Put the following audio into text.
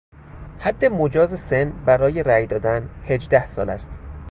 حد مجاز سن برای رای دادن هجده سال است.